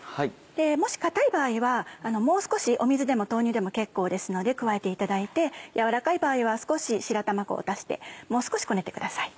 もし硬い場合はもう少し水でも豆乳でも結構ですので加えていただいてやわらかい場合は少し白玉粉を足してもう少しこねてください。